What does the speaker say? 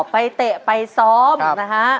อ๋อไปเตะไปซ้อมนะฮะ